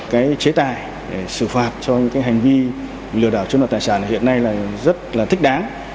cái chế tài để xử phạt cho những cái hành vi lừa đảo chiếm đoạt tài sản hiện nay là rất là thích đáng